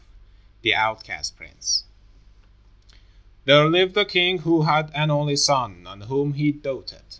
] The Outcast Prince There lived a king who had an only son, on whom he doted.